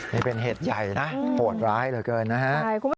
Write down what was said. นี่เป็นเหตุใหญ่นะโหดร้ายเหลือเกินนะฮะ